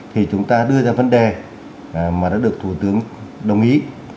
thì chúng ta đưa ra vấn đề mà đã được thủ tướng đồng ý